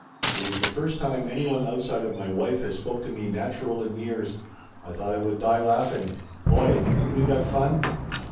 "It was the first time anyone outside of my wife has spoke to me nachural in years ! I thought I would die laffing. Oy ! Ain't we got fun